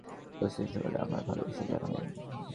বোষ্টনের সকলকে আমার ভালবাসা জানাবেন।